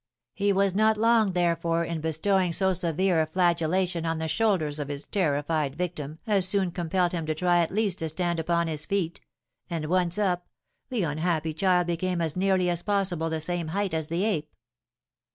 He was not long, therefore, in bestowing so severe a flagellation on the shoulders of his terrified victim as soon compelled him to try at least to stand upon his feet, and once up, the unhappy child became as nearly as possible the same height as the ape.